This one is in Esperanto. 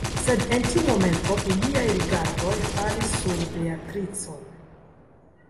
Sed en tiu momento iliaj rigardoj falis sur Beatricon.